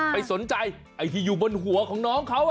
ไปสนใจไอ้ที่อยู่บนหัวของน้องเขา